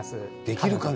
できるかね。